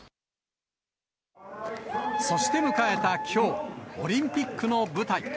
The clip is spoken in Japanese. そして迎えたきょう、オリンピックの舞台。